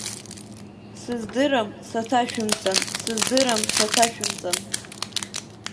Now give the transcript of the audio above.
Сыздырам, саҭашәымҵан, сыздырам, саҭашәымтҭан!